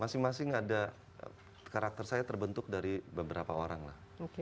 masing masing ada karakter saya terbentuk dari beberapa orang lah